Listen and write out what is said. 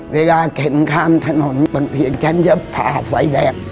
เวลาเห็นข้ามถนนบางทีฉันจะพาไฟแดก